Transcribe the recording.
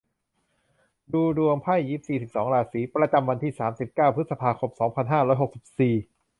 ดูดวงไพ่ยิปซี สิบสอง ราศี ประจำวันที่ สามสิบเก้า พฤษภาคม สองพันห้าร้อยหกสิบสี่